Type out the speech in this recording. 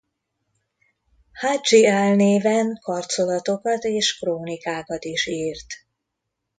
Hadzsi álnéven karcolatokat és krónikákat is írt.